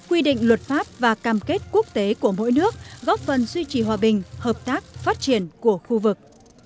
quy định luật pháp và cam kết quốc tế của mỗi nước góp phần duy trì hòa bình hợp tác phát triển của khu vực